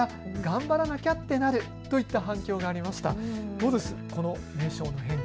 どうです、この名称の変更。